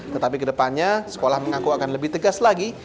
tetapi kedepannya sekolah mengaku akan lebih tegas lagi